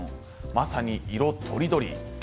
まさに色とりどり。